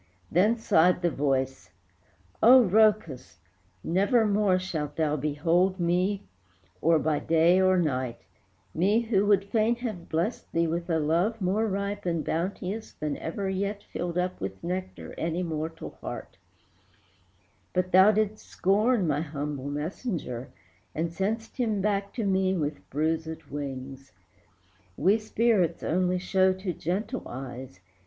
Then sighed the voice, "Oh, Rhœcus! nevermore Shalt thou behold me or by day or night, Me, who would fain have blessed thee with a love More ripe and bounteous than ever yet Filled up with nectar any mortal heart: But thou didst scorn my humble messenger, And sent'st him back to me with bruisèd wings. We spirits only show to gentle eyes.